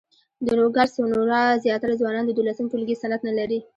د نوګالس سونورا زیاتره ځوانان د دولسم ټولګي سند نه لري.